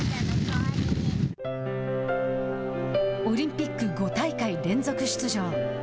オリンピック５大会連続出場。